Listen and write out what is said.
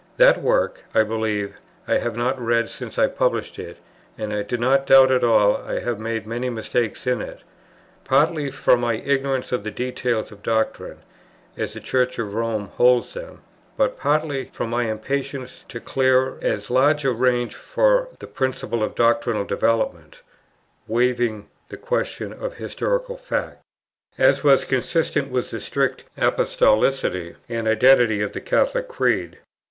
That work, I believe, I have not read since I published it, and I do not doubt at all I have made many mistakes in it; partly, from my ignorance of the details of doctrine, as the Church of Rome holds them, but partly from my impatience to clear as large a range for the principle of doctrinal Development (waiving the question of historical fact) as was consistent with the strict Apostolicity and identity of the Catholic Creed.